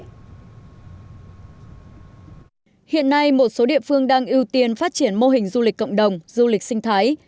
hiện nay một số địa phương đang ưu tiên phát triển mô hình du lịch cộng đồng du lịch sinh thái